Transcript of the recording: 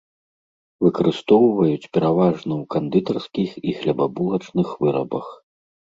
Выкарыстоўваюць пераважна ў кандытарскіх і хлебабулачных вырабах.